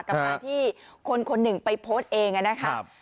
กับการที่คนคนหนึ่งไปโพสต์เองนะครับ